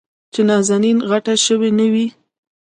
چې نازنين غټه شوې نه وي.